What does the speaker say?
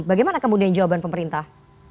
bagaimana kemudian jawaban pemerintah